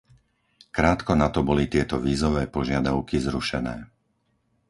Krátko nato boli tieto vízové požiadavky zrušené.